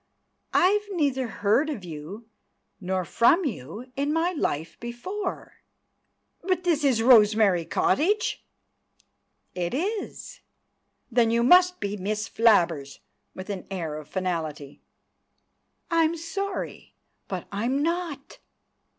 "I've neither heard of you, nor from you, in my life before!" "But this is Rosemary Cottage?" "It is." "Then you must be Miss Flabbers!"—with an air of finality. "I'm sorry, but I'm not!"